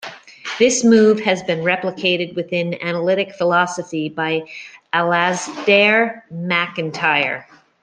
This move has been replicated within analytic philosophy by Alasdair MacIntyre.